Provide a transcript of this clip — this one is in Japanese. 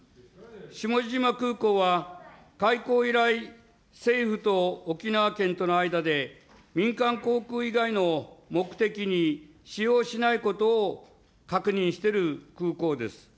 下地島空港は開港以来、政府と沖縄県との間で、民間航空以外の目的に使用しないことを確認している空港です。